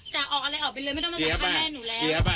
จะออกอะไรออกไปเลยไม่ต้องมาสัมภาษณ์แม่หนูแล้ว